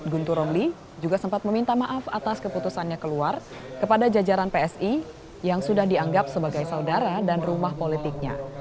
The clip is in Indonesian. guntur romli juga sempat meminta maaf atas keputusannya keluar kepada jajaran psi yang sudah dianggap sebagai saudara dan rumah politiknya